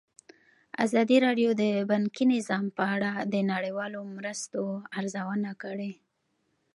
ازادي راډیو د بانکي نظام په اړه د نړیوالو مرستو ارزونه کړې.